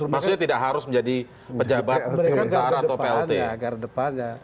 maksudnya tidak harus menjadi pejabat mentara atau plt